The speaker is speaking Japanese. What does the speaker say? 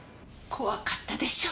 怖かったでしょう。